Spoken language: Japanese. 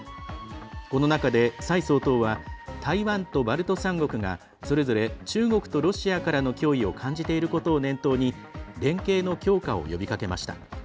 この中で、蔡総統は台湾とバルト３国がそれぞれ中国とロシアからの脅威を感じていることを念頭に連携の強化を呼びかけました。